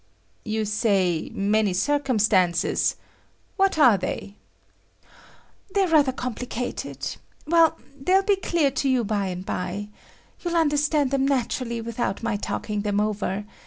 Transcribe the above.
"You say 'many circumstances'; what are they?" "They're rather complicated. Well, they'll be clear to you by and by. You'll understand them naturally without my talking them over.